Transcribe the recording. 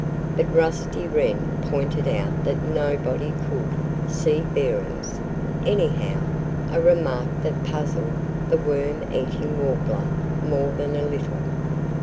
But Rusty Wren pointed out that nobody could see bearings, anyhow a remark that puzzled the Worm eating Warbler more than a little.